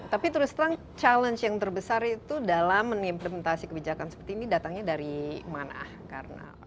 tapi terus terang challenge yang terbesar itu dalam mengimplementasi kebijakan seperti ini datangnya dari mana karena